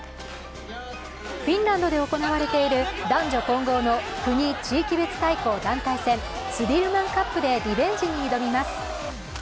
フィンランドで行われている男女混合の国・地域別対抗団体戦、スディルマンカップでリベンジに挑みます。